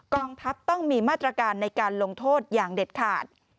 กองทัพต้องมีมาตรการในการลงโทษอย่างเด็ดขาด